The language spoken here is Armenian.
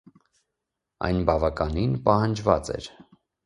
Այն բավականին պահանջված էր։